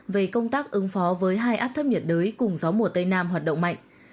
về công tác ứng phó với hai áp thấp nhiệt đới cùng gió mùa tây nam hoạt động mạnh